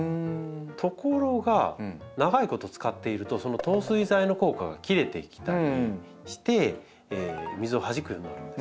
ところが長いこと使っているとその透水剤の効果が切れてきたりして水をはじくようになるんですよ。